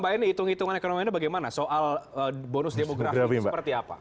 mbak eni itung itungan ekonomi ini bagaimana soal bonus demografi seperti apa